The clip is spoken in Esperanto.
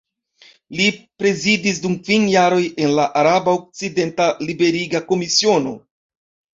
Li prezidis dum kvin jaroj en la Araba Okcidenta Liberiga Komisiono.